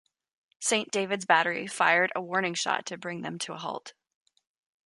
Saint David's Battery fired a warning shot to bring them to a halt.